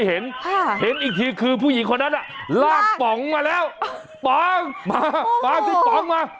เห็นเห็นอีกทีคือผู้หญิงคนนั้นลากป๋องมาแล้วป๋องมาปางพี่ป๋องมา